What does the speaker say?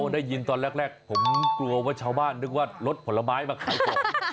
ได้ยินตอนแรกผมกลัวว่าชาวบ้านนึกว่ารถผลไม้มาขายของ